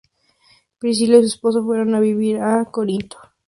Priscila y su esposo fueron a vivir a Corinto.